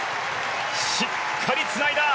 しっかりつないだ！